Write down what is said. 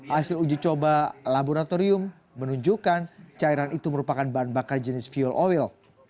hasil uji coba laboratorium menunjukkan cairan itu merupakan bahan bakar jenis fuel oil